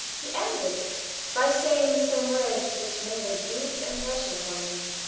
He ended by saying some words which made a deep impression upon me.